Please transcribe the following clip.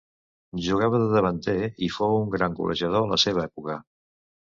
Jugava de davanter i fou un gran golejador a la seva època.